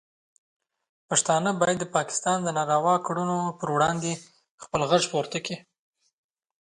پښتانه باید د پاکستان د ناروا کړنو پر وړاندې خپل غږ پورته کړي.